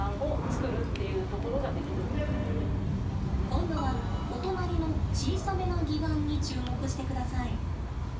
今度はお隣の小さめな擬岩に注目してください。